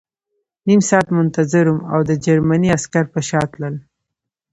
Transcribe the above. نیم ساعت منتظر وم او د جرمني عسکر په شا تلل